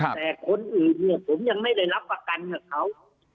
แต่คนอื่นเนี่ยผมยังไม่ได้รับประกันกับเขา